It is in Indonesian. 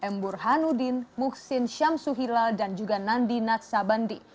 m burhanuddin muxin syamsuhila dan juga nandi naksabandi